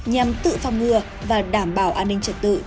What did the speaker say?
nhằm tự phòng ngừa và đảm bảo an ninh trật tự trên địa bàn